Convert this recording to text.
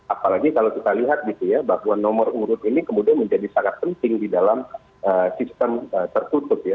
apalagi kalau kita lihat gitu ya bahwa nomor urut ini kemudian menjadi sangat penting di dalam sistem tertutup ya